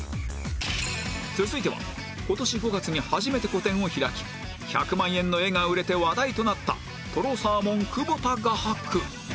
続いては今年５月に初めて個展を開き１００万円の絵が売れて話題となったとろサーモン久保田画伯